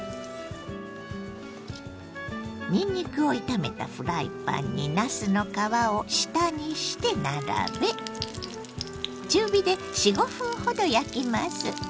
にんにくを炒めたフライパンになすの皮を下にして並べ中火で４５分ほど焼きます。